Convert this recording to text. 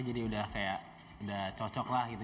jadi udah kayak cocok lah gitu